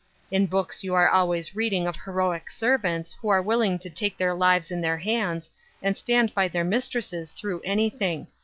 In books you are always reading of heroic servants who are willing to take their lives in their hands and stand by their mistresses through anything.